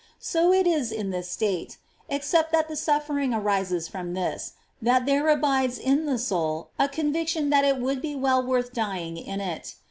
So is it in this state, except that the suffering arises from this, that there abides in the soul a conviction that it would be well worth dying in it.